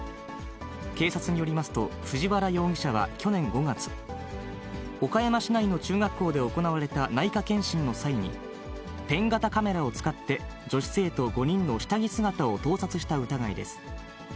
警察によりますと、藤原容疑者は去年５月、岡山市内の中学校で行われた内科検診の際に、ペン型カメラを使って、女子生徒５人の下着姿を盗撮した疑いです。